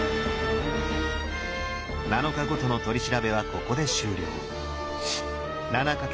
７日ごとの取り調べはここで終了。